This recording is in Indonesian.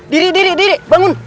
diri diri diri bangun